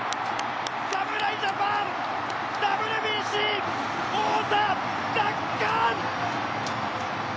侍ジャパン、ＷＢＣ王座奪還！